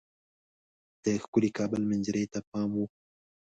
د ښکلي کابل منظرې ته پام وو.